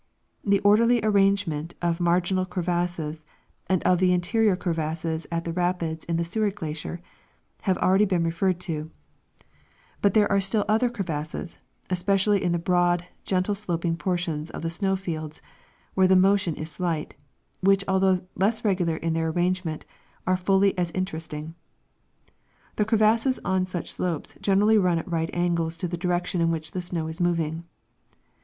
The orderly arrangement of marginal crevasses and of tlie interior crevasses at the rapids in the Seward glacier have already been referred to; but there are still other crevasses, especially in the broad, gently sloping portions of tlic; snow fields wdiere the motion is slight, which, although less regular in their arrangement, are fully as interest ing. The crevasses on such slopes generally run at right angles to the direction in which the snow is moving.